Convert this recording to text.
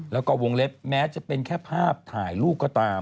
แล้วก็วงเล็บแม้จะเป็นแค่ภาพถ่ายรูปก็ตาม